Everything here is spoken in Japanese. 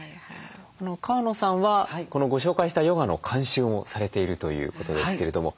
川野さんはこのご紹介したヨガの監修もされているということですけれども。